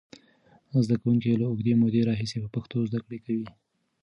زده کوونکي له اوږدې مودې راهیسې په پښتو زده کړه کوي.